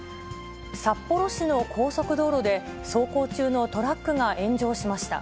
札幌市の高速道路で、走行中のトラックが炎上しました。